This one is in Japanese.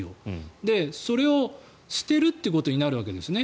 それを捨てるということになるわけですね。